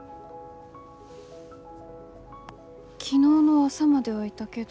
昨日の朝まではいたけど。